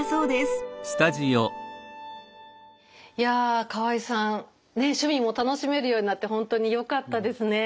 いや河合さん趣味も楽しめるようになって本当によかったですね。